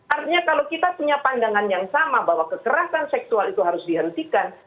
artinya kalau kita punya pandangan yang sama bahwa kekerasan seksual itu harus dihentikan